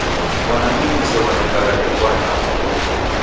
Fwana imu isew'onekagha eko anyaho.